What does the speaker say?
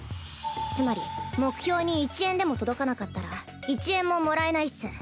つまり目標に１円でも届かなかったら１円ももらえないっス。